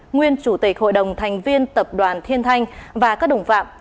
nguyên chủ tịch hội đồng thành viên tập đoàn thiên thanh và các đồng phạm